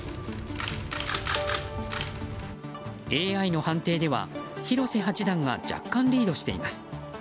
ＡＩの判定では、広瀬八段が若干リードしています。